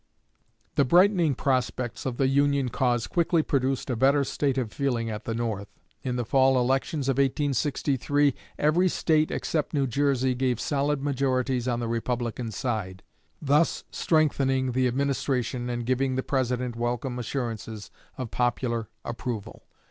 The brightening prospects of the Union cause quickly produced a better state of feeling at the North. In the fall elections of 1863, every State except New Jersey gave solid majorities on the Republican side, thus strengthening the administration and giving the President welcome assurances of popular approval.